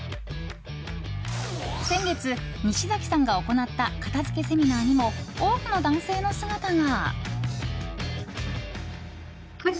先月、西崎さんが行った片付けセミナーにも多くの男性の姿が。